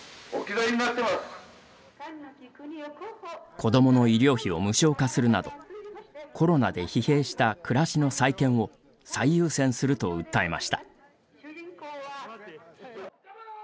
子どもの医療費を無償化するなどコロナで疲弊した暮らしの再建を最優先すると訴えました。